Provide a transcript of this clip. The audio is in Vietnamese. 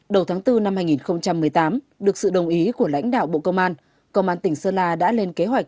đầu tháng bốn năm hai nghìn một mươi tám được sự đồng ý của lãnh đạo bộ công an công an tỉnh sơn la đã lên kế hoạch